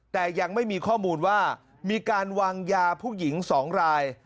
แต่ยังไม่มีข้อมูลว่ามีการวางยาผู้หญิง๒ราย